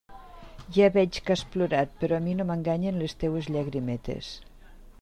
Ja veig que has plorat, però a mi no m'enganyen les teues llagrimetes.